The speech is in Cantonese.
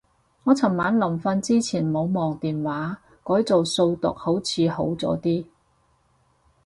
我尋晚臨瞓之前冇望電話，改做數獨好似好咗啲